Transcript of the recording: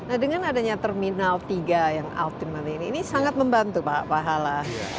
nah dengan adanya terminal tiga yang ultimate ini ini sangat membantu pak pahala